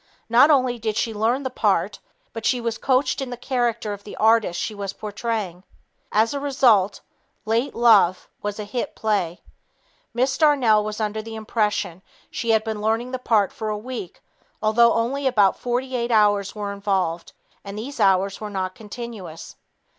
Not only did she learn the part, but she was coached in the character of the artist she was portraying. As a result, "Late Love" was a hit play. Miss Darnell was under the impression she had been learning the part for a week although only about 48 hours were involved and these hours were not continuous.